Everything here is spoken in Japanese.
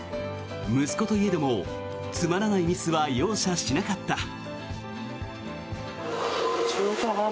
息子といえどもつまらないミスは容赦しなかった。